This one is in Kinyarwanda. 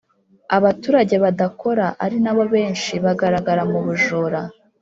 abaturage badakora ari nabo benshi bagaragara mu bujura.